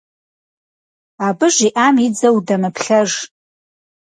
Абы жиӀам и дзэ удэмыплъэж.